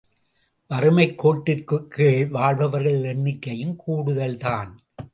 வறுமைக்கோட்டிற்குக் கீழ் வாழ்பவர்கள் எண்ணிக்கையும் கூடுதல்தான்.